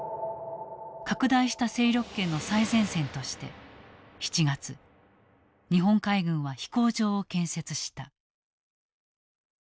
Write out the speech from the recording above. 拡大した勢力圏の最前線として７月日本海軍は飛行場を建設した。